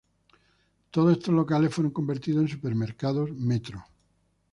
Todos estos locales fueron convertidos en Supermercados Metro.